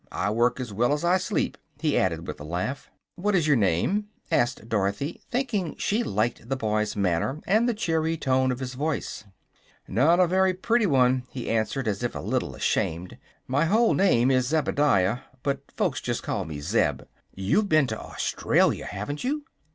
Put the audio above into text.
I work as well as I sleep," he added, with a laugh. "What is your name?" asked Dorothy, thinking she liked the boy's manner and the cheery tone of his voice. "Not a very pretty one," he answered, as if a little ashamed. "My whole name is Zebediah; but folks just call me 'Zeb.' You've been to Australia, haven't you?"